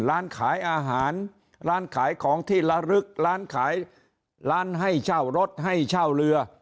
ร้านขายอาหารร้านขายของที่ละลึกร้านขายร้านให้เช่ารถให้เช่าเรือ